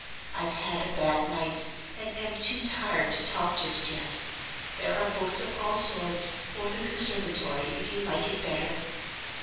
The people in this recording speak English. I've had a bad night, and am too tired to talk just yet. There are books of all sorts, or the conservatory if you like it better."